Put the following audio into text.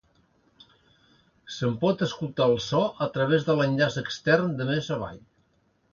Se'n pot escoltar el so a través de l'enllaç extern de més avall.